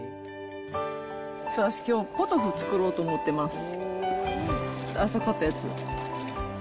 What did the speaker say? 私、きょうポトフ作ろうと思ってます。